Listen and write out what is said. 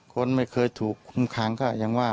คนไม่เคยถูกคุมขังก็ยังว่า